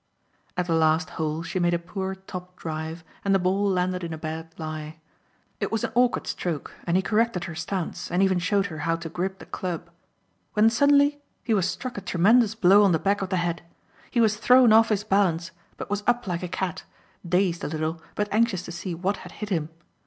At the last hole she made a poor topped drive and the ball landed in a bad lie. It was an awkward stroke and he corrected her stance and even showed her how to grip the club when suddenly he was struck a tremendous blow on the back of the head. He was thrown off his balance but was up like a cat, dazed a little but anxious to see what had hit him.